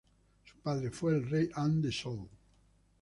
Su padre fue el Rey An de Zhou.